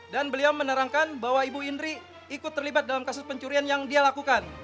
dan beliau menerangkan bahwa ibu indri ikut terlibat dalam kasus pencurian yang dia lakukan